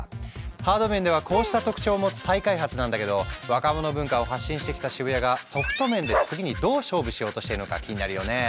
ハード面ではこうした特徴を持つ再開発なんだけど若者文化を発信してきた渋谷がしようとしているのか気になるよねえ。